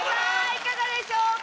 いかがでしょうか？